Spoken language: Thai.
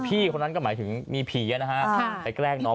คนนั้นก็หมายถึงมีผีนะฮะไปแกล้งน้อง